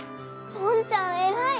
ぽんちゃんえらい！